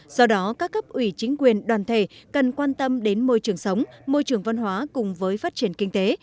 do đó các cấp ủy chính quyền đoàn thể cần quan tâm đến môi trường sống môi trường văn hóa cùng với phát triển kinh tế